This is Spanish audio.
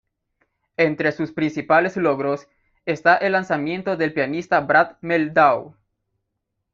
Entre sus principales logros, está el lanzamiento del pianista Brad Mehldau.